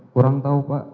kurang tau pak